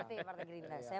oke partai gerindra